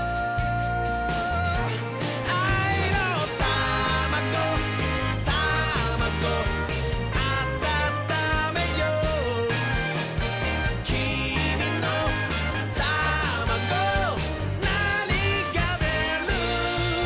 「あいのタマゴタマゴあたためよう」「きみのタマゴなにがでる？」